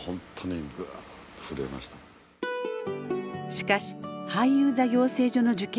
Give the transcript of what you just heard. しかし俳優座養成所の受験に失敗。